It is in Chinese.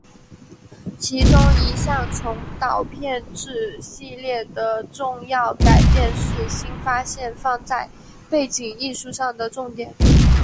其中一项从导片至系列的重要改变是新发现放在背景艺术上的重点。